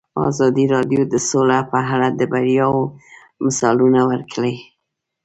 ازادي راډیو د سوله په اړه د بریاوو مثالونه ورکړي.